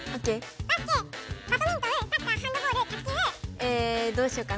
えどうしようかな。